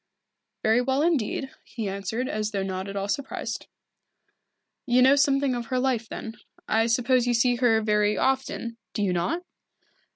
"Very well indeed," he answered, as though not at all surprised. "You know something of her life, then. I suppose you see her very often, do you not?"